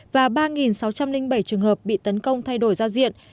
và ba sáu trăm linh bảy trường hợp bị tấn công thay đổi giao diện